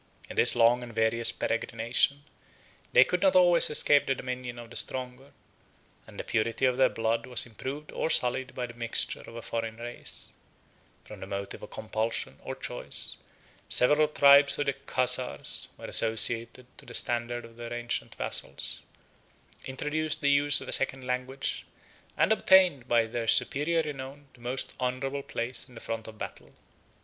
In this long and various peregrination, they could not always escape the dominion of the stronger; and the purity of their blood was improved or sullied by the mixture of a foreign race: from a motive of compulsion, or choice, several tribes of the Chazars were associated to the standard of their ancient vassals; introduced the use of a second language; and obtained by their superior renown the most honorable place in the front of battle.